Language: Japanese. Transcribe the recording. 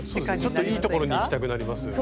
ちょっといいところに行きたくなりますよね。